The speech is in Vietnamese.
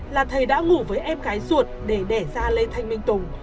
là thầy đã ngủ với em gái ruột để đẻ ra lê thanh minh tùng